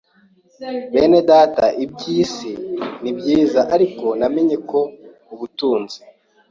Bene data iby’isi ni byiza ariko, namenye ko ubutunzi